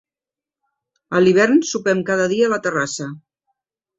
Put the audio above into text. A l'hivern sopem cada dia a la terrassa.